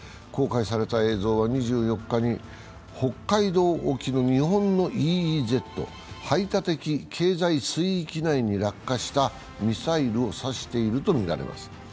公開された映像は、２４日に北海道沖の日本のＥＥＺ＝排他的経済水域内に落下したミサイルを指しているとみられます。